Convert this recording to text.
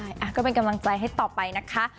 ใช่ก็เป็นกำลังใจให้ต่อไปนะคะ